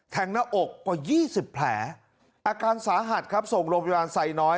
แทงหน้าอกกว่ายี่สิบแผลอาการสาหัสครับส่งโรงพยาบาลใส่น้อย